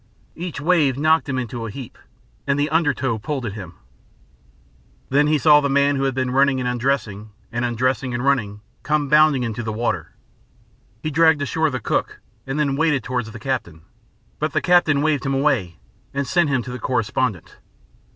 Each wave knocked him into a heap, and the under tow pulled at him. Then he saw the man who had been running and undressing, and undressing and running, come bounding into the water. He dragged ashore the cook, and then waded towards the captain, but the captain waved him away, and sent him to the correspondent.